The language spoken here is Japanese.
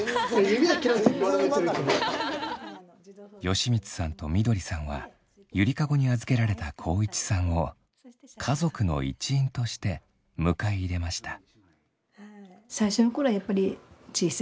美光さんとみどりさんはゆりかごに預けられた航一さんを家族の一員として迎え入れました。